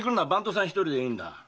一人でいいんだ。